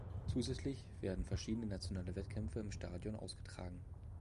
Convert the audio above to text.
Zusätzlich werden verschiedene nationale Wettkämpfe im Stadion ausgetragen.